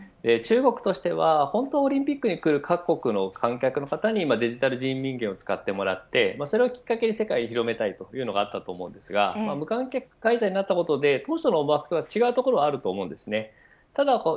中国としては本当はオリンピックに来る各国の観客にデジタル人民元を使ってもらってそれをきっかけに世界に広めたいというのがあったと思いますが無観客開催になったことで当初の思惑とは違うところがあると思います。